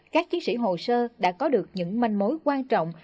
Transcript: các chiến sĩ hồ sơ đã có được những manh mối quan trọng